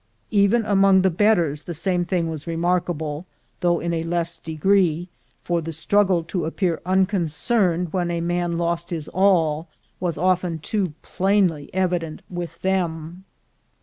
Even among the betters the same thing was remarkable, though in a less de gree, for the struggle to appear unconcerned when A CITY IN THE MAKING 71 a man lost his all, was often too plainly evident with them.